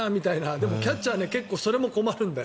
でも、キャッチャーはそれは困るんだよ。